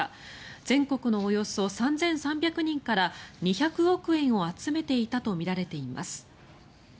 全国のおよそ３３００人から２００億円を集めていたとみられています。